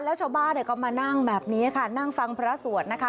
แล้วชาวบ้านก็มานั่งแบบนี้ค่ะนั่งฟังพระสวดนะคะ